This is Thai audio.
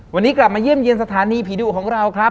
วันนี้กลับมาเยี่ยมเยี่ยมสถานีผีดุของเราครับ